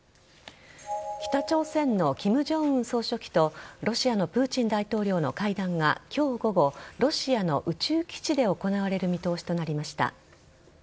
北朝鮮の金正恩総書記とロシアのプーチン大統領の会談が今日午後ロシアの宇宙基地で行われる見通しとなりました。